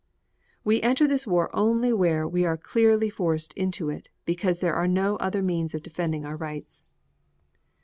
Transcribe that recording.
We enter this war only where we are clearly forced into it because there are no other means of defending our rights.